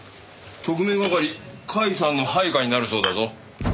特命係甲斐さんの配下になるそうだぞ。